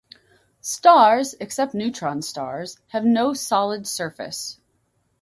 Stars, except neutron stars, have no solid surface.